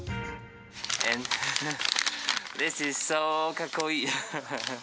かっこいい。